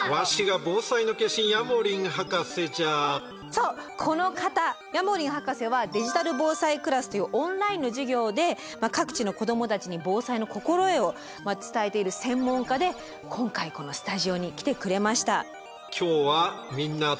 そうこの方ヤモリン博士はデジタル防災クラスというオンラインの授業で各地の子どもたちに防災の心得を伝えている専門家で今回このスタジオに来てくれました。